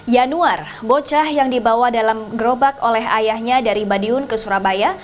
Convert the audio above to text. yanuar bocah yang dibawa dalam gerobak oleh ayahnya dari madiun ke surabaya